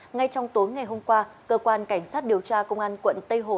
ngay trong tối ngày hôm qua cơ quan cảnh sát điều tra công an quận tây hồ